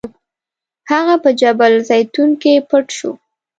هغه په جبل الزیتون کې پټ شو.